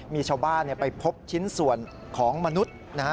มีชาวบ้านไปพบชิ้นส่วนของมนุษย์นะฮะ